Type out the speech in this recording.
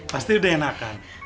pasti udah enakan